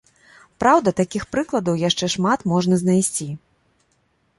Праўда, такіх прыкладаў яшчэ шмат можна знайсці.